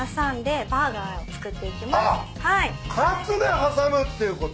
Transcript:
あっカツで挟むっていうこと？